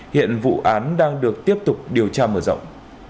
hiện vụ án đang được tiếp tục điều tra mở rộng